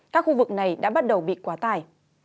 các khu vực này đã bắt đầu bị quá tải